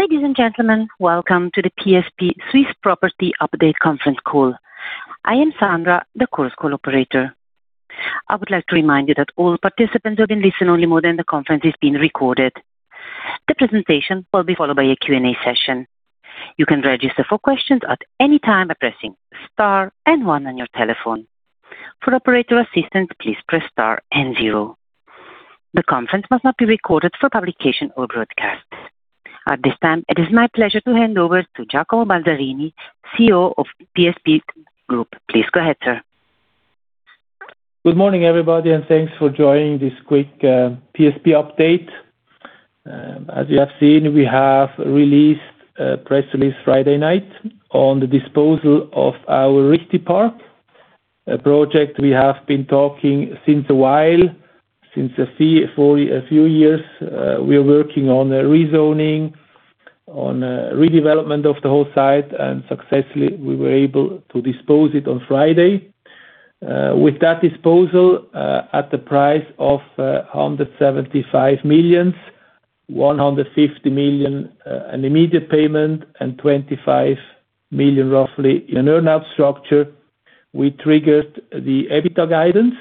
Ladies and gentlemen, welcome to the PSP Swiss Property update conference call. I am Sandra, the Chorus Call operator. I would like to remind you that all participants are in listen only mode and the conference is being recorded. The presentation will be followed by a Q&A session. You can register for questions at any time by pressing star and one on your telephone. For operator assistance, please press star and zero. The conference must not be recorded for publication or broadcast. At this time, it is my pleasure to hand over to Giacomo Balzarini, CEO of PSP Group. Please go ahead, sir. Good morning, everybody, and thanks for joining this quick PSP update. As you have seen, we have released a press release Friday night on the disposal of our Richtipark, a project we have been talking since a while. Since a few years, we are working on a rezoning, on redevelopment of the whole site. Successfully, we were able to dispose it on Friday. With that disposal at the price of 175 million, 150 million an immediate payment and 25 million roughly in an earn-out structure, we triggered the EBITDA guidance.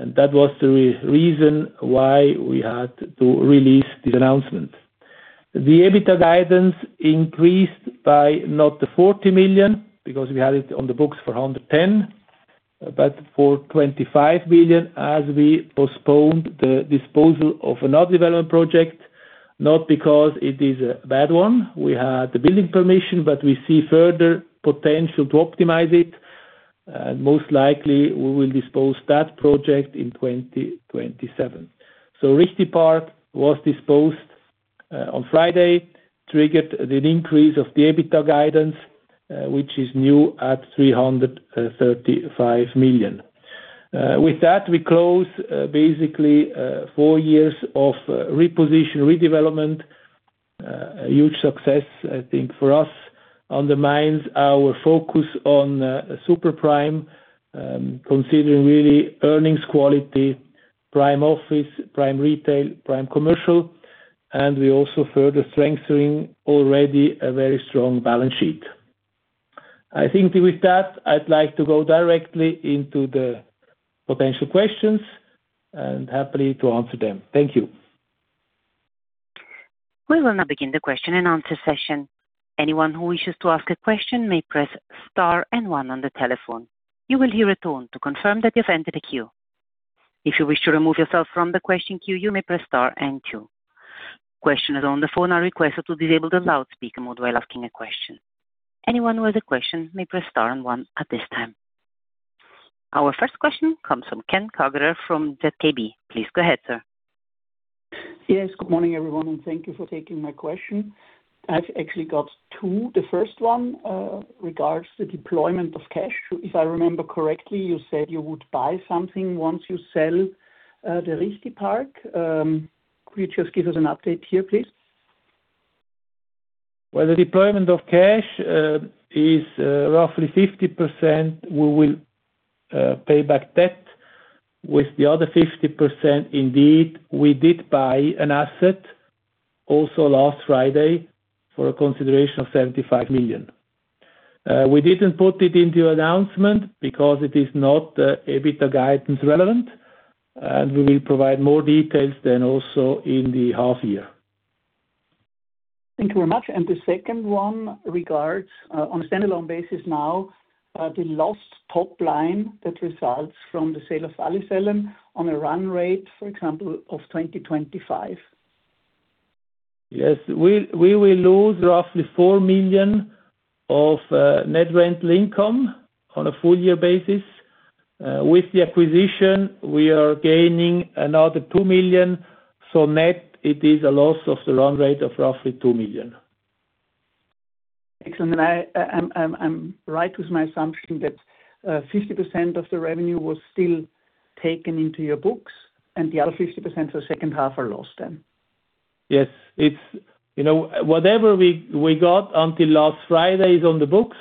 That was the reason why we had to release this announcement. The EBITDA guidance increased by north of 40 million, because we had it on the books for 110 million, but for 25 million as we postponed the disposal of another development project, not because it is a bad one. We had the building permission, but we see further potential to optimize it. Most likely, we will dispose that project in 2027. Richtipark was disposed on Friday, triggered an increase of the EBITDA guidance, which is new at 335 million. With that, we close basically four years of reposition redevelopment. A huge success, I think, for us. Our focus on super prime considering really earnings quality, prime office, prime retail, prime commercial. We also further strengthening already a very strong balance sheet. I think with that, I'd like to go directly into the potential questions and happily to answer them. Thank you. We will now begin the question and answer session. Anyone who wishes to ask a question may press star and one on the telephone. You will hear a tone to confirm that you've entered a queue. If you wish to remove yourself from the question queue, you may press star and two. Questioners on the phone are requested to disable the loudspeaker mode while asking a question. Anyone who has a question may press star and one at this time. Our first question comes from Ken Kagerer from ZKB. Please go ahead, sir. Yes, good morning, everyone, and thank you for taking my question. I've actually got two. The first one regards the deployment of cash. If I remember correctly, you said you would buy something once you sell the Richtipark. Could you just give us an update here, please? Well, the deployment of cash is roughly 50%. We will pay back debt. With the other 50%, indeed, we did buy an asset also last Friday for a consideration of 75 million. We didn't put it into announcement because it is not EBITDA guidance relevant, and we will provide more details then also in the half year. Thank you very much. The second one regards, on a standalone basis now, the lost top line that results from the sale of Wallisellen on a run rate, for example, of 2025. Yes. We will lose roughly 4 million of net rental income on a full year basis. With the acquisition, we are gaining another 2 million. Net, it is a loss of the run rate of roughly 2 million. Excellent. I'm right with my assumption that 50% of the revenue was still taken into your books and the other 50% for the second half are lost then? Yes. Whatever we got until last Friday is on the books.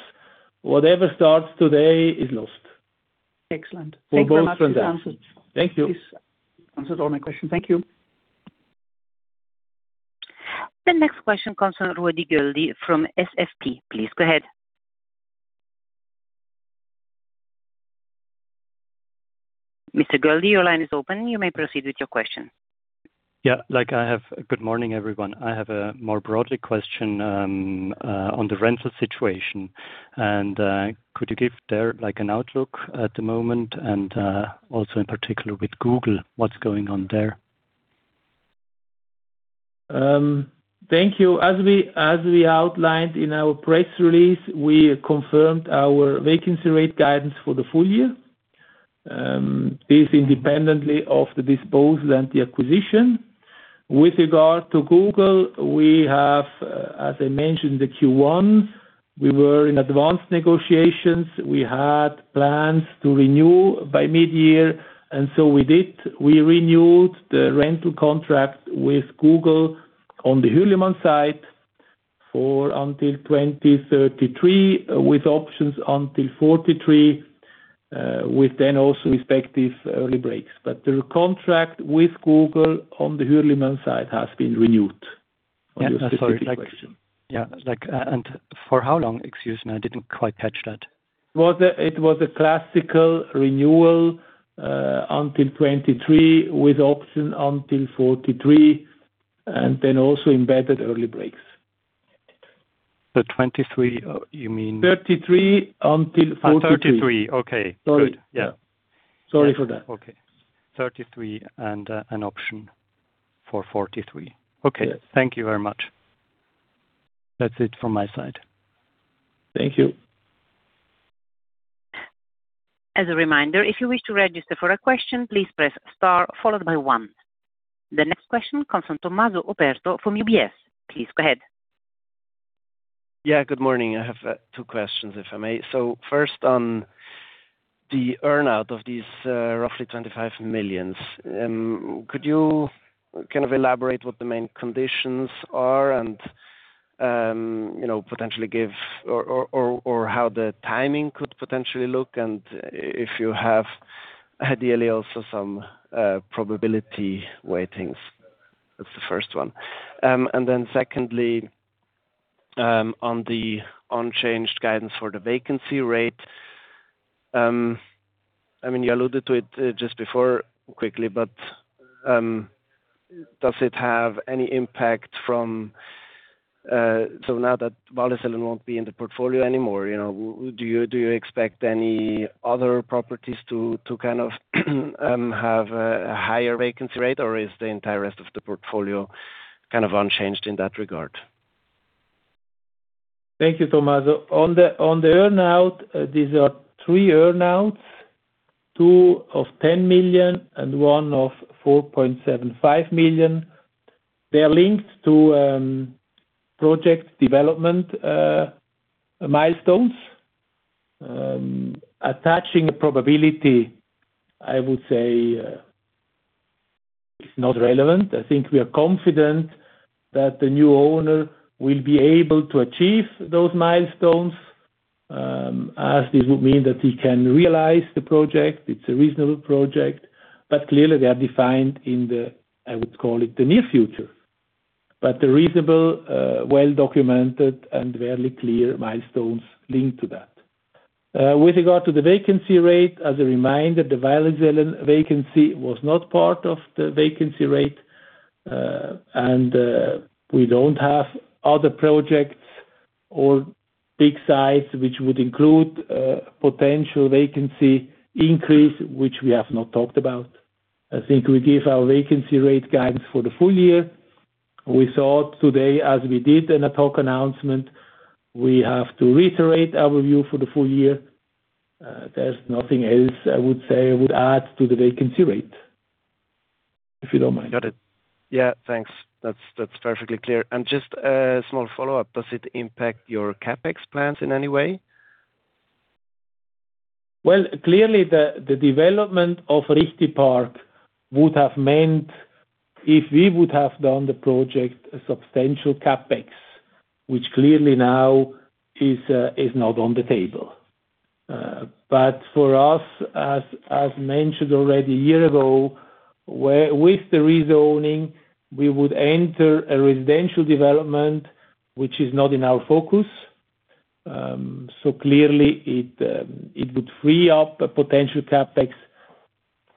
Whatever starts today is lost. Excellent. Thank you very much. We go from there. Thank you. This answers all my questions. Thank you. The next question comes from Ruedi Göldi from SFP. Please go ahead. Mr. Göldi, your line is open. You may proceed with your question. Yeah. Good morning, everyone. I have a more broader question on the rental situation. Could you give there an outlook at the moment and also in particular with Google, what's going on there? Thank you. As we outlined in our press release, we confirmed our vacancy rate guidance for the full year based independently of the disposal and the acquisition. With regard to Google, we have, as I mentioned in the Q1, we were in advanced negotiations. We had plans to renew by mid-year, and so we did. We renewed the rental contract with Google on the Hürlimann site for until 2033 with options until 2043 With then also respective early breaks. The contract with Google on the Hürlimann site has been renewed, on your specific question. Yeah. For how long? Excuse me, I didn't quite catch that. It was a classical renewal until 2023 with option until 2043, also embedded early breaks. 2023, you mean. 2033 until 2043. 2033. Okay. Sorry. Good. Yeah. Sorry for that. Okay. 2033 and an option for 2043. Yes. Okay. Thank you very much. That's it from my side. Thank you. As a reminder, if you wish to register for a question, please press star followed by one. The next question comes from Tommaso Operto from UBS. Please go ahead. Good morning. I have two questions, if I may. First on the earn-out of these roughly 25 million. Could you elaborate what the main conditions are and potentially give or how the timing could potentially look, and if you have ideally also some probability weightings? That's the first one. Secondly, on the unchanged guidance for the vacancy rate. You alluded to it just before quickly, but does it have any impact now that Wallisellen won't be in the portfolio anymore, do you expect any other properties to have a higher vacancy rate or is the entire rest of the portfolio unchanged in that regard? Thank you, Tommaso. On the earn-out, these are three earn-outs, two of 10 million and one of 4.75 million. They're linked to project development milestones. Attaching a probability, I would say, is not relevant. I think we are confident that the new owner will be able to achieve those milestones, as this would mean that he can realize the project. It's a reasonable project. Clearly they are defined in the, I would call it, the near future. The reasonable, well-documented, and fairly clear milestones link to that. With regard to the vacancy rate, as a reminder, the Wallisellen vacancy was not part of the vacancy rate. We don't have other projects or big size, which would include potential vacancy increase, which we have not talked about. I think we give our vacancy rate guidance for the full year. We saw today as we did in an ad hoc announcement, we have to reiterate our view for the full year. There's nothing else I would say, I would add to the vacancy rate. If you don't mind. Got it. Yeah, thanks. That's perfectly clear. Just a small follow-up. Does it impact your CapEx plans in any way? Well, clearly the development of Richtipark would have meant, if we would have done the project, a substantial CapEx, which clearly now is not on the table. For us, as mentioned already a year ago, with the rezoning, we would enter a residential development, which is not in our focus. Clearly it would free up a potential CapEx,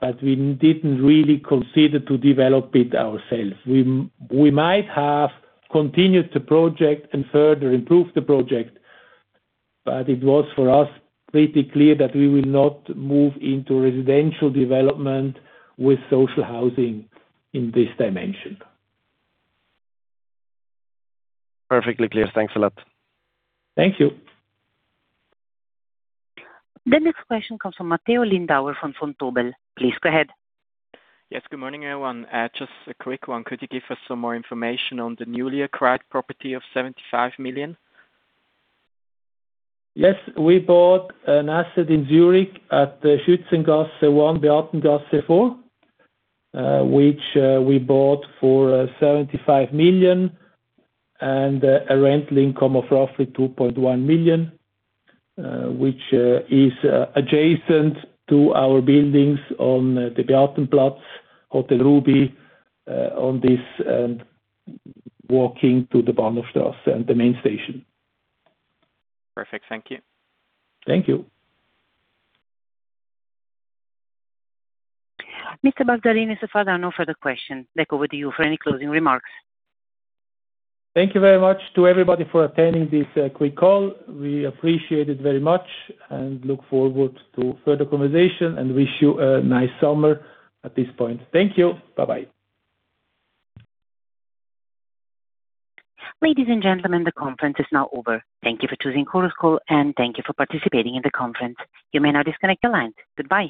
but we didn't really consider to develop it ourselves. We might have continued to project and further improve the project, but it was for us pretty clear that we will not move into residential development with social housing in this dimension. Perfectly clear. Thanks a lot. Thank you. The next question comes from Matteo Lindauer from Vontobel. Please go ahead. Yes, good morning, everyone. Just a quick one. Could you give us some more information on the newly acquired property of 75 million? Yes. We bought an asset in Zürich at the Schuetzengasse 1, Marktgasse 4, which we bought for 75 million and a net rental income of roughly 2.1 million, which is adjacent to our buildings on the Beatenplatz, Hotel Ruby, on this, and walking to the Bahnhofstrasse and the main station. Perfect. Thank you. Thank you. Mr. Balzarini, so far there are no further questions. Back over to you for any closing remarks. Thank you very much to everybody for attending this quick call. We appreciate it very much and look forward to further conversation and wish you a nice summer at this point. Thank you. Bye-bye. Ladies and gentlemen, the conference is now over. Thank you for choosing Chorus Call, and thank you for participating in the conference. You may now disconnect your lines. Goodbye.